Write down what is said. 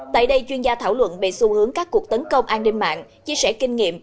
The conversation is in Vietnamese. tại đây chuyên gia thảo luận về xu hướng các cuộc tấn công an ninh mạng chia sẻ kinh nghiệm